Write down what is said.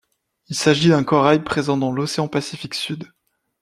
Il s'agit d'un corail présent dans l'océan Pacifique sud.